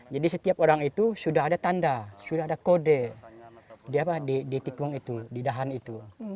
jadi setiap orang itu sudah ada tanda sudah ada kode di tikung itu di dahan itu